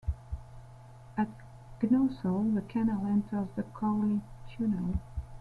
At Gnosall the canal enters the Cowley Tunnel.